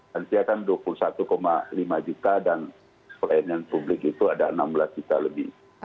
lansia kan dua puluh satu lima juta dan pelayanan publik itu ada enam belas juta lebih